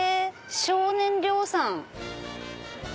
「少年両さん」。